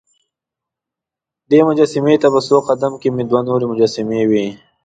دې مجسمې ته په څو قد مې کې دوه نورې مجسمې وې.